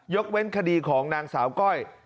เว้นคดีของนางสาวก้อย